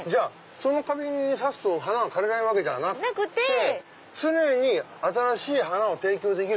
その花瓶に挿すと花が枯れないわけじゃなくて常に新しい花を提供できる。